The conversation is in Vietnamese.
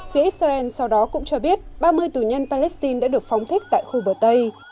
phía israel sau đó cũng cho biết ba mươi tù nhân palestine đã được phóng thích tại khu bờ tây